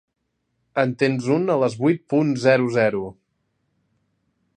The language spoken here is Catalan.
En tens un a les vuit punt zero zero.